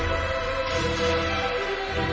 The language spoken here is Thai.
โอ้โอ้โอ้โอ้